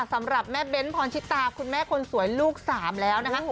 สำหรับแม่เบ้นพรชิตาคุณแม่คนสวยลูก๓แล้วนะคะ